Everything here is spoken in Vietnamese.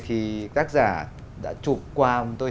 thì tác giả đã chụp qua